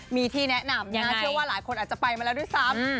มีที่แนะนำนะเชื่อว่าหลายคนอาจจะไปมาแล้วด้วยซ้ำ